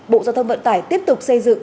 bộ giao thông vận tải tiếp tục xây dựng